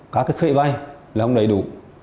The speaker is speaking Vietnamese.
các khệ vai là không đầy đủ